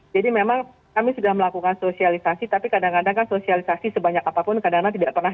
jadi memang kami sudah melakukan sosialisasi tapi kadang kadang kan sosialisasi sebanyak apapun kadang kadang tidak perkenalan